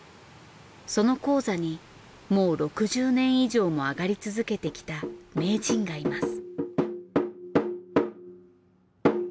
その高座にもう６０年以上も上がり続けてきた名人がいます。